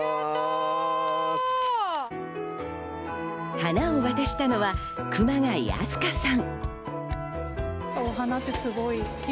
花を渡したのは、熊谷明日香さん。